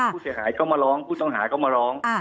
ผู้เสียหายก็มาร้องผู้ต้องหาก็มาร้อง